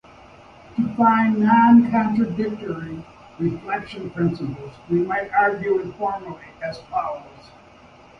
To find non-contradictory reflection principles we might argue informally as follows.